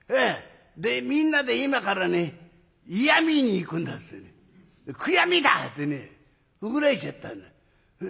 『みんなで今からね嫌み言いに行くんだ』つってね『悔やみだ』ってね怒られちゃったんだ。